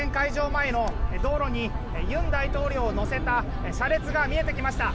前の道路に尹大統領を乗せた車列が見えてきました。